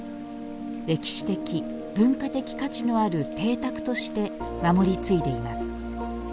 歴史的文化的価値のある邸宅として守り継いでいます。